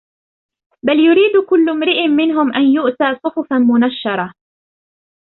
بَلْ يُرِيدُ كُلُّ امْرِئٍ مِنْهُمْ أَنْ يُؤْتَى صُحُفًا مُنَشَّرَةً